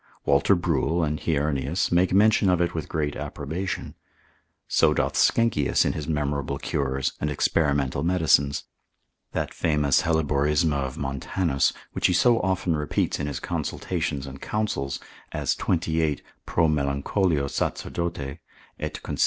Walter Bruel, and Heurnius, make mention of it with great approbation; so doth Sckenkius in his memorable cures, and experimental medicines, cen. 6. obser. 37. That famous Helleborisme of Montanus, which he so often repeats in his consultations and counsels, as 28. pro. melan. sacerdote, et consil.